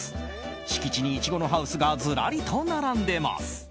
敷地にイチゴのハウスがずらりと並んでます。